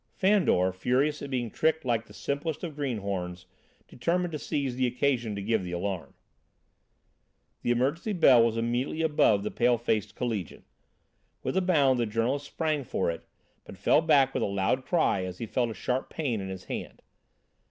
Fandor, furious at being tricked like the simplest of greenhorns, determined to seize the occasion to give the alarm. The emergency bell was immediately above the pale faced collegian. With a bound the journalist sprang for it, but fell back with a loud cry as he felt a sharp pain in his hand.